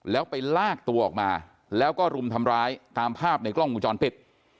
แล้วไปลากตัวออกมาแล้วก็รุมทำร้ายตามภาพในกล้องวงจรปิด